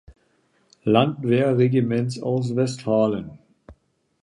Landwehrregiments aus Westfalen.